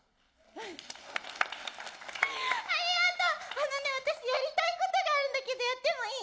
あのね私やりたいことがあるんだけどやってもいい？